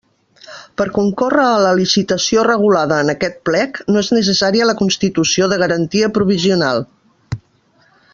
Per concórrer a la licitació regulada en aquest plec, no és necessària la constitució de garantia provisional.